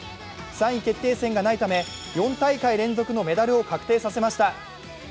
３位決定戦がないため、４大会連続のメダルを確定させました。